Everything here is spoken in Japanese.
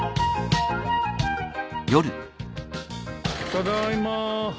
ただいまー。